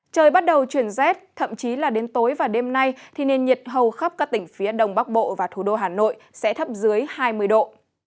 trời bắt đầu chuyển rét thậm chí là đến tối và đêm nay thì nền nhiệt hầu khắp các tỉnh phía đông bắc bộ và thủ đô hà nội sẽ thấp dưới hai mươi độ